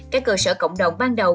các cơ sở cộng đồng ban đầu